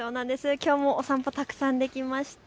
きょうもお散歩たくさんできました。